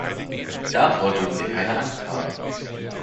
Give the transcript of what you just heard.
Davor dürfen wir keine Angst haben.